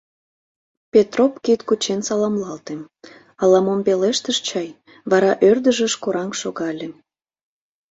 Петроп кид кучен саламлалте, ала-мом пелештыш чай, вара ӧрдыжыш кораҥ шогале.